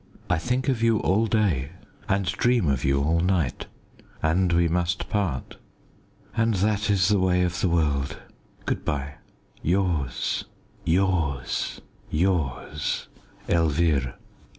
I think of you all day, and dream of you all night. And we must part. And that is the way of the world. Good bye! Yours, yours, yours, ELVIRE."